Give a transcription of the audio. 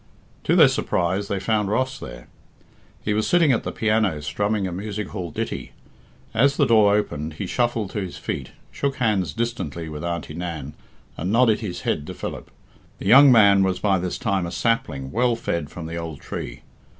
To their surprise they found Ross there. He was sitting at the piano strumming a music hall ditty. As the door opened be shuffled to his feet, shook hands distantly with Auntie Nan, and nodded his head to Philip. The young man was by this time a sapling well fed from the old tree.